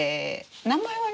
名前はね